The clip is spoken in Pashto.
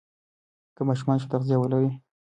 که ماشومان ښه تغذیه ولري، ذهني وړتیا لوړېږي.